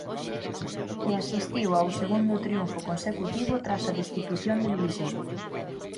E asistiu ao segundo triunfo consecutivo tras a destitución de Luismi.